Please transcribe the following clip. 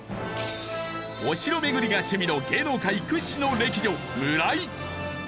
お城巡りが趣味の芸能界屈指の歴女村井。